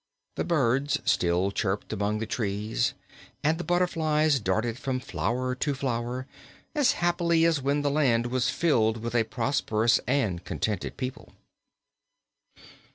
The birds still chirped among the trees and the butterflies darted from flower to flower as happily as when the land was filled with a prosperous and contented people.